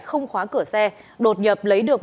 không khóa cửa xe đột nhập lấy được